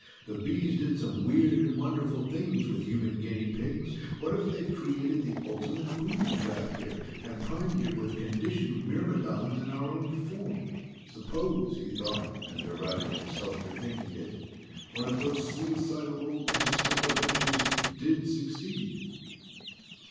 The Bees did some weird and wonderful things with human guinea pigs what if they've created the ultimate booby trap here, and primed it with conditioned myrmidons in our own form? Suppose, he thought and derided himself for thinking it one of those suicidal old interstellar ventures did succeed?